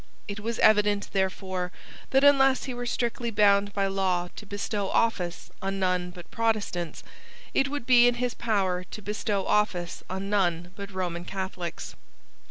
It was evident therefore that, unless he were strictly bound by law to bestow office on none but Protestants, it would be in his power to bestow office on none but Roman Catholics.